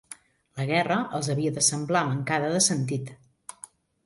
La guerra els havia de semblar mancada de sentit